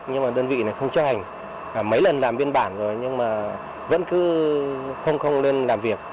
nhưng mà đơn vị này không cho hành mấy lần làm biên bản rồi nhưng mà vẫn cứ không lên làm việc